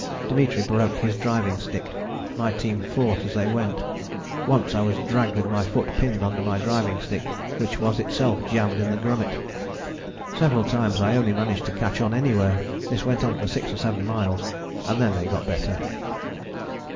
Dimitri broke his driving stick: my team fought as they went: once I was dragged with my foot pinned under my driving stick, which was itself jammed in the grummet: several times I only managed to catch on anywhere: this went on for six or seven miles, and then they got better."